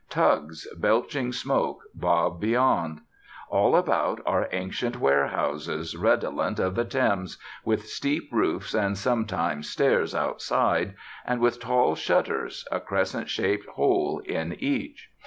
Tugs, belching smoke, bob beyond. All about are ancient warehouses, redolent of the Thames, with steep roofs and sometimes stairs outside, and with tall shutters, a crescent shaped hole in each.